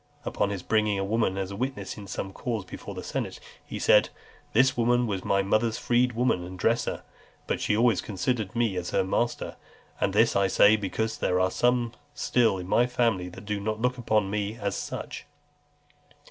Upon his bringing a woman as a witness in some cause before the senate, he said, "This woman was my mother's freedwoman and dresser, but she always considered me as her master; and this I say, because there are some still in my family that do not look upon me as such."